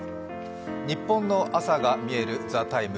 ニッポンの朝がみえる「ＴＨＥＴＩＭＥ，」